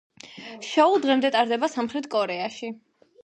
შოუ დღემდე ტარდება სამხრეთ კორეაში.